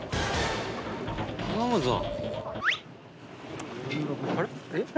「頼むぞ」